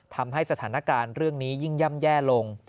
ทำให้สถานการณ์เรื่องนี้ยิ่งย่ำแย่ลง